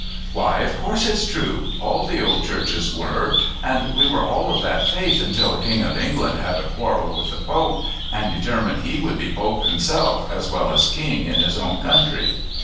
"Why, of course it's true all the old churches were, and we were all of that faith until a King of England had a quarrel with the Pope and determined he would be Pope himself as well as king in his own country.